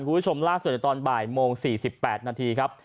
คุณผู้ชมล่าสุดในตอนบ่ายโมง๔๘นาทีครับ